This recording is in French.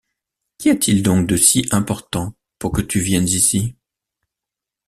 Qu’y a-t-il donc de si important pour que tu viennes ici ?